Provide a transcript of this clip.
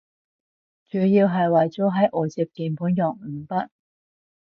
主要係為咗喺外接鍵盤用五筆